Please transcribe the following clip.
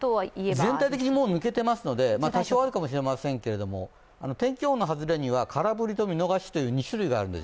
全体的に抜けていますので、多少あるかもしれませんが、天気予報の外れには空振りと見逃しの２種類があるんです。